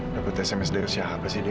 dapet sms dari siapa sih dia